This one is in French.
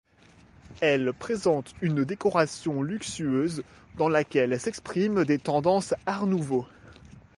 Elle présente une décoration luxueuse, dans laquelle s'exprime des tendances Art nouveau.